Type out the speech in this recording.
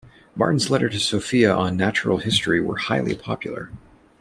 Martin's letters to Sophia on "Natural History" were highly popular.